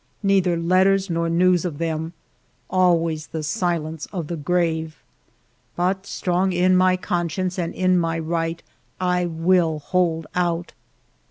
Neither letters nor news of them ; always the silence of the grave. But strong in my conscience and in my right, I will hold out.